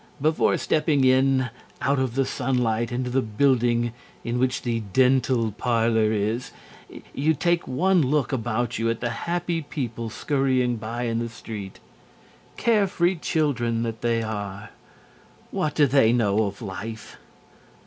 Before stepping in out of the sunlight into the building in which the dental parlor is, you take one look about you at the happy people scurrying by in the street. Carefree children that they are! What do they know of Life?